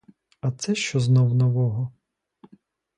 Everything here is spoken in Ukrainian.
А це що знов нового?!